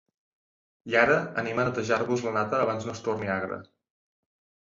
I ara anem a netejar-vos la nata abans no es torni agra!